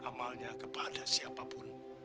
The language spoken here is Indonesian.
amalnya kepada siapapun